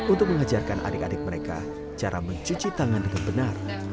untuk mengajarkan adik adik mereka cara mencuci tangan dengan benar